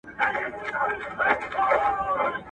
پلونه یې بادونو له زمان سره شړلي دي.